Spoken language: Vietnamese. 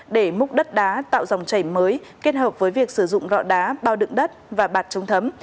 để múc đất đá tạo dòng chảy mới kết hợp với việc sử dụng gạo đá bao đựng đất và bạt chống thấm